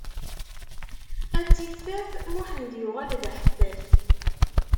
A tiffaf, Muḥend yuɣal d aḥeffaf!